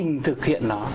mình thực hiện nó